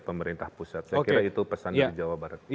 pemerintah pusat saya kira itu pesan dari jawa barat